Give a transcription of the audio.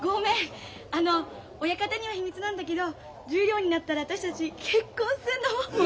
あの親方には秘密なんだけど十両になったら私たち結婚するの。